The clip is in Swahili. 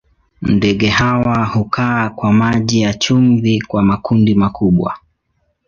Ndege hawa hukaa kwa maji ya chumvi kwa makundi makubwa.